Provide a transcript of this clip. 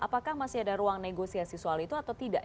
apakah masih ada ruang negosiasi soal itu atau tidak